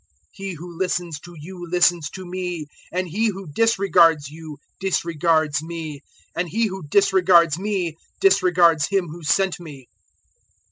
010:016 "He who listens to you listens to me; and he who disregards you disregards me, and he who disregards me disregards Him who sent me."